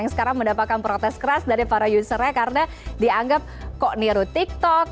yang sekarang mendapatkan protes keras dari para usernya karena dianggap kok niru tiktok